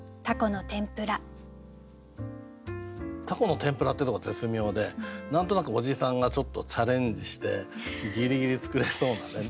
「蛸の天ぷら」っていうところが絶妙で何となくおじさんがちょっとチャレンジしてギリギリ作れそうなね。